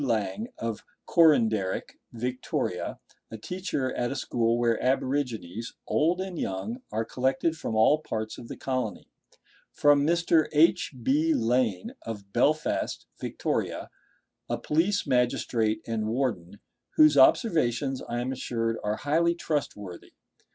Lang, of Coranderik, Victoria, a teacher at a school where aborigines, old and young, are collected from all parts of the colony. From Mr. H. B. Lane, of Belfast, Victoria, a police magistrate and warden, whose observations, as I am assured, are highly trustworthy.